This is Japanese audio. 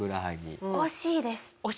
惜しいです！